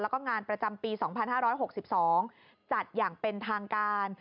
แล้วก็งานประจำปี๒๕๖๒จัดอย่างเป็นทางการ